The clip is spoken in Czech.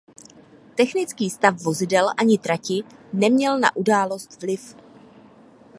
Technický stav vozidel ani trati neměl na událost vliv.